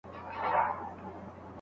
زهر مار د دواړو وچ کړله رګونه